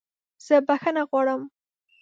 زه بخښنه غواړم!